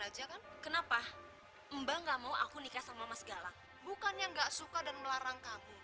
aja kan kenapa mbak nggak mau aku nikah sama mas galak bukannya enggak suka dan melarang kamu